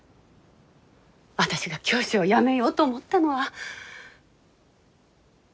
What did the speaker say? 私が教師を辞めようと思ったのは。